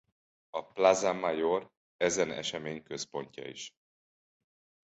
A Plaza Mayor ezen esemény központja is.